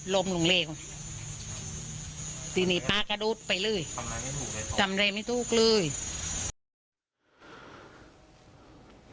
ลงเลวทีนี้ป๊ากระโดดไปเลยทำอะไรไม่ถูกเลยจำอะไรไม่ถูกเลย